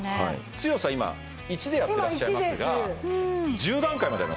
強さ今１でやってらっしゃいますが１０段階まであります。